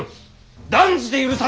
断じて許さんと！